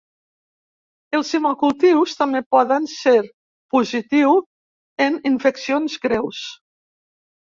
Els hemocultius també poden ser positiu en infeccions greus.